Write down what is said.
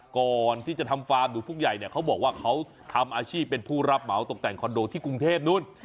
ก่อนที่จะทำฟาร์มหรือฟุกใหญ่เนี่ยเขาบอกว่าเขาทำอาชีพเป็นผู้รับเหมาตกแต่งคอนโดที่กรุงเทพนู้น